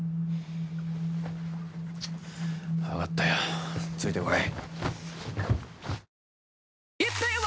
わかったよついて来い。